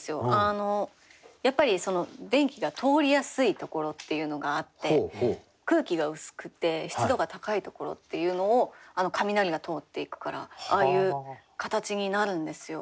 やっぱり電気が通りやすいところっていうのがあって空気が薄くて湿度が高いところっていうのを雷が通っていくからああいう形になるんですよ。